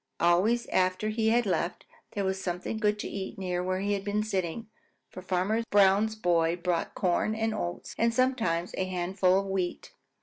Always after he had left, there was something good to eat near where he had been sitting, for Farmer Brown's boy brought corn and oats and sometimes a handful of wheat.